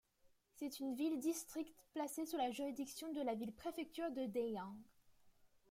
C'est une ville-district placée sous la juridiction de la ville-préfecture de Deyang.